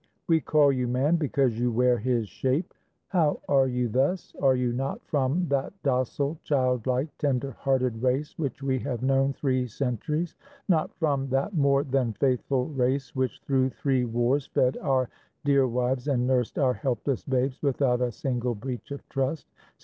We call you man because you wear His shape How are you thus? Are you not from That docile, child like, tender hearted race Which we have known three centuries? Not from That more than faithful race which through three wars Fed our dear wives and nursed our helpless babes Without a single breach of trust?